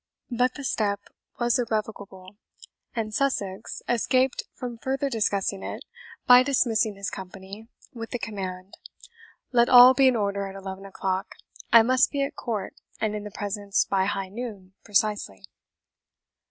But the step was irrevocable, and Sussex escaped from further discussing it by dismissing his company, with the command, "Let all be in order at eleven o'clock; I must be at court and in the presence by high noon precisely."